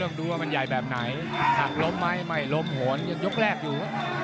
ก็ต้องดูว่ามันใหญ่แบบไหนหากล้มไม่ล้มหวนยังยกแรกอยู่